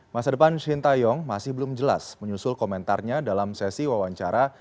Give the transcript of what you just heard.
masa depan shin taeyong masih belum jelas menyusul komentarnya dalam sesi wawancara